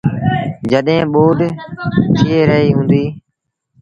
جڏهيݩ ٻوڏ ٿئي رهيٚ هُݩديٚ ۔